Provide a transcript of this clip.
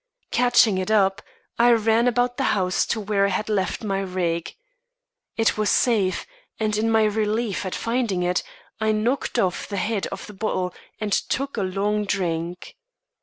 Catching it up, I ran about the house to where I had left my rig. It was safe, and in my relief at finding it, I knocked off the head of the bottle and took a long drink.